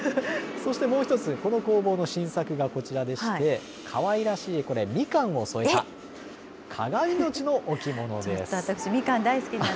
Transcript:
そしてもう一つ、この工房の新作がこちらでして、かわいらしい、これ、みかんを添えた鏡餅の置物です。